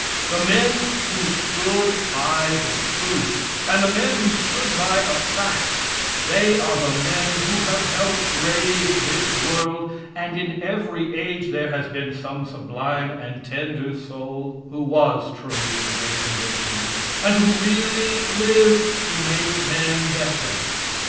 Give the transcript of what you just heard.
The men who stood by the truth and the men who stood by a fact, they are the men that have helped raise this world, and in every age there has been some sublime and tender soul who was true to his convictions, and who really lived to make men better.